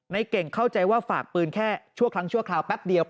เก่งเข้าใจว่าฝากปืนแค่ชั่วครั้งชั่วคราวแป๊บเดียว